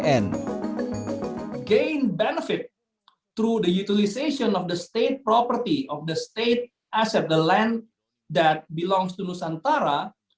menanggung keuntungan melalui penggunaan harta negara aset negara tanah yang berada di nusantara